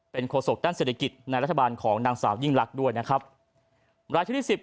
เป็นโฆษกด้านเศรษฐกิจในรัฐบาลของนางสาวยิ่งรักด้วยนะครับ